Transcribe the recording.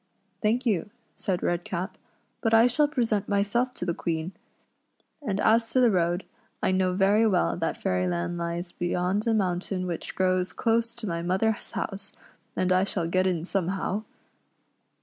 " Thank you," said Redcap, " but I shall present myself to the Queen ; and as to the road, I know very well that Fairyland lies beyond a mountain which grows close to my mother's house, and I shall get in somehow."